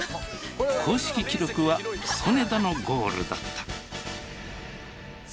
公式記録は曽根田のゴールだった。